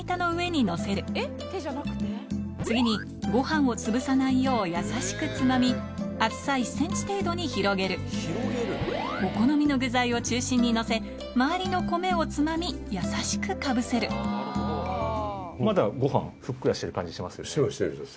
次にご飯をつぶさないよう優しくつまみ厚さ１センチ程度に広げるお好みの具材を中心にのせ周りの米をつまみ優しくかぶせるしてますしてます。